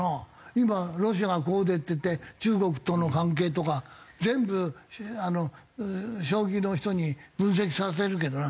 今ロシアがこう出てて中国との関係とか全部将棋の人に分析させるけどな。